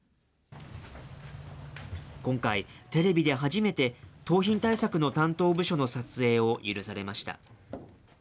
今回、テレビで初めて、盗品対策の担当部署の撮影を許されました。